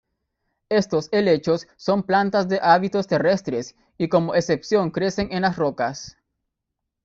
Estos helechos son plantas de hábitos terrestres y como excepción crecen en las rocas.